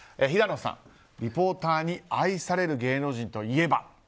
平野さん、リポーターに愛される芸能人といえば。